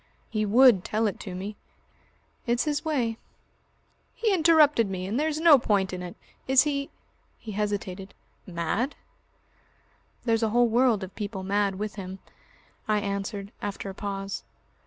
"He would tell it to me." "It's his way." "He interrupted me. And there's no point in it. Is he " he hesitated, "mad?" "There's a whole world of people mad with him," I answered after a pause.